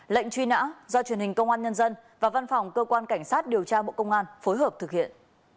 lệnh truy nã do truyền hình công an nhân dân và văn phòng cơ quan cảnh sát điều tra bộ công an phối hợp thực hiện